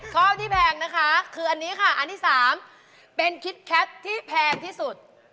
ข้อที่แพงนะคะคือซันที่๓เป็นคิดแคทที่แพงที่สุด